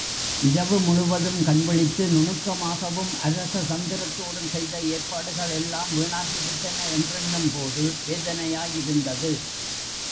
இரவு முழுவதும் கண்விழித்து நுணுக்கமாகவும் அரச தந்திரத்தோடும் செய்த ஏற்பாடுகள் எல்லாம் வீணாகிவிட்டன என்றெண்ணும்போது வேதனையாய் இருந்தது.